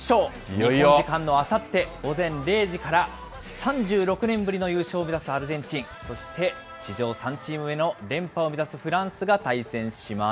日本時間のあさって午前０時から、３６年ぶりの優勝を目指すアルゼンチン、そして史上３チーム目の連覇を目指すフランスが対戦します。